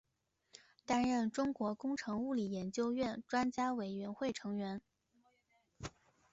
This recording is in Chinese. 担任中国工程物理研究院专家委员会成员。